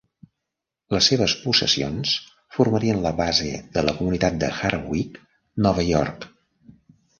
Les seves possessions formarien la base de la comunitat de Hartwick, Nova York.